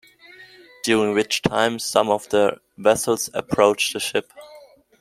During which time some of the vessels approached the ship.